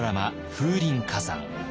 「風林火山」。